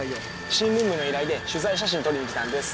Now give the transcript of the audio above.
新聞部の依頼で取材写真撮りに来たんです。